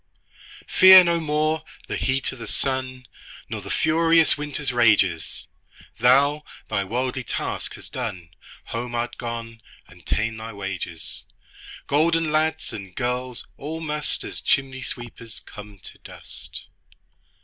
Fear no more the heat o' the sun, Nor the furious winter's rages; Thou thy worldly task hast done, Home art gone, and ta'en thy wages: Golden lads and girls all must, As chimney sweepers, come to dust.